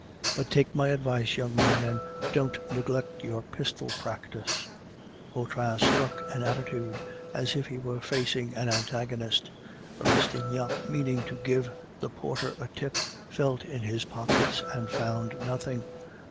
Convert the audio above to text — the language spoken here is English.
But take my advice, young man, and don't neglect your pistol practice." Vautrin struck an attitude, as if he were facing an antagonist. Rastignac, meaning to give the porter a tip, felt in his pockets and found nothing.